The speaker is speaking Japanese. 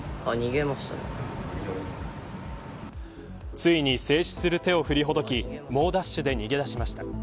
ついに静止する手を振りほどき猛ダッシュで逃げ出しました。